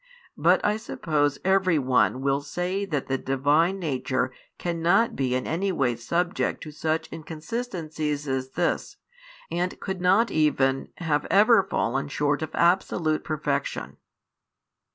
But I suppose every one will say that the Divine Nature cannot be in any way subject to such inconsistencies as this, and could not even have ever fallen short of absolute perfection.